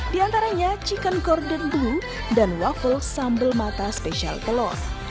diantaranya chicken gordone blue dan waffle sambal mata spesial telur